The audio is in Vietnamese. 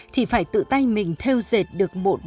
thì phải tự tay mình theo dệt được một bộ trang phục